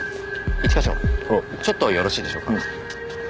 一課長ちょっとよろしいでしょうか？